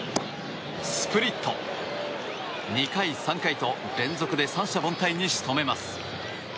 ２回、３回と連続で三者凡退に仕留めます。